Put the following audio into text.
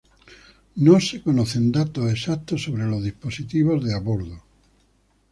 No se conocen datos exactos sobre los dispositivos de a bordo.